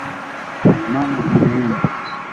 Mama ameenda